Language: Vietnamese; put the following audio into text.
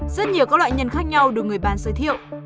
rất nhiều các loại nhân khác nhau được người bán giới thiệu